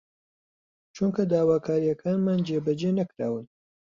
چونکە داواکارییەکانمان جێبەجێ نەکراون